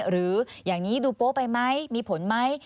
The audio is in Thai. หรืออย่างนี้ดูโป๊ะไปไหมมีผลไหม